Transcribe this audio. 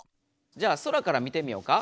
じゃあソラから見てみようか。